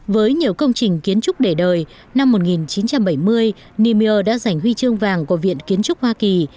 với nhiều công trình kiến trúc để đời năm một nghìn chín trăm bảy mươi nimil đã giành huy chương vàng của viện kiến trúc hoa kỳ